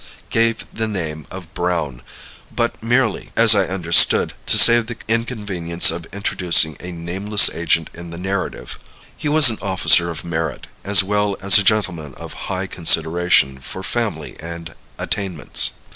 gave the name of Browne, but merely, as I understood, to save the inconvenience of introducing a nameless agent in the narrative. He was an officer of merit, as well as a gentleman of high consideration for family and attainments.